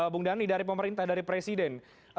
bung dhani dari pemerintah dari presiden